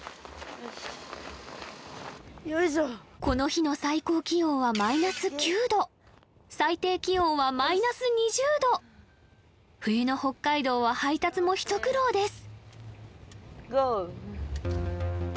この日の最高気温はマイナス９度最低気温はマイナス２０度冬の北海道は配達もひと苦労です